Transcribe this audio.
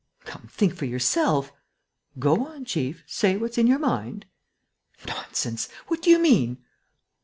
"Come, think for yourself!" "Go on, chief: say what's in your mind." "Nonsense! What do you mean?"